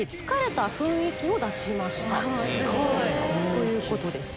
ということです。